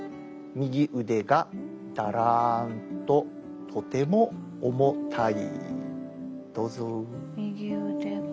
「右腕がだらんととても重たい」。